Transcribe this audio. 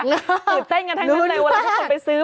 น่าเกิดเต้นกันทั้งในเวลาทุกคนไปซื้อ